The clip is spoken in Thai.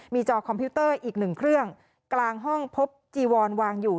มีจอคอมพิวเตอร์อีกหนึ่งเครื่องกลางห้องพบจีวอนวางอยู่